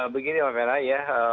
begini pak mera